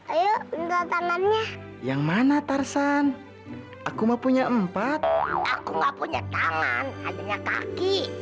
ayo minta tangannya yang mana tersan aku mau punya empat aku nggak punya tangan adanya kaki